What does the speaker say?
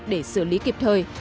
để xử lý kịp thời